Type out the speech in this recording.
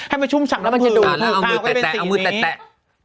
ให้มันชุ่มฉักน้ำผืนเอามือแตะแตะเอามือแตะแตะเอามือแตะแตะ